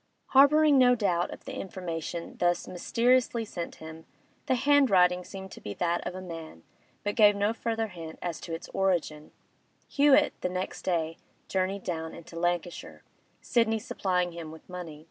Harbouring no doubt of the information thus mysteriously sent him—the handwriting seemed to be that of a man, but gave no further hint as to its origin—Hewett the next day journeyed down into Lancashire, Sidney supplying him with money.